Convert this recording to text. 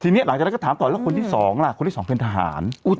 ทีนี้หลังจากนั้นก็ถามต่อแล้วคนที่๒ล่ะคนที่๒เป็นทหาร